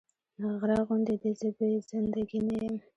غره غوندې دې زه بې زنده ګي نه يم